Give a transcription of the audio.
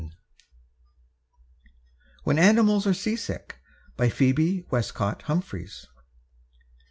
WHEN ANIMALS ARE SEASICK. PHEBE WESTCOTT HUMPHREYS.